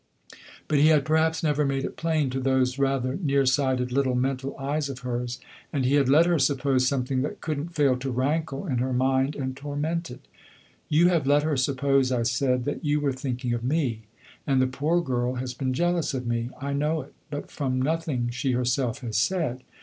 But he had perhaps never made it plain to those rather near sighted little mental eyes of hers, and he had let her suppose something that could n't fail to rankle in her mind and torment it. 'You have let her suppose,' I said, 'that you were thinking of me, and the poor girl has been jealous of me. I know it, but from nothing she herself has said.